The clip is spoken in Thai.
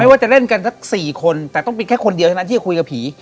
ว่าจะเล่นกันสัก๔คนแต่ต้องเป็นแค่คนเดียวเท่านั้นที่จะคุยกับผี